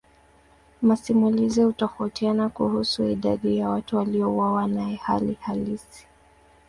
Masimulizi hutofautiana kuhusu idadi ya watu waliouawa naye hali halisi.